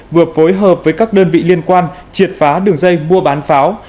vừa phối hợp với các đơn vị liên quan triệt phá đường dây mua bán pháo